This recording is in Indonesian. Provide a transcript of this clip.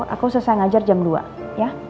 aku selesai ngajar jam dua ya